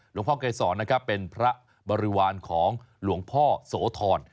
หลวงพ่อเกษรเป็นพระบริวารของหลวงพ่อโสธร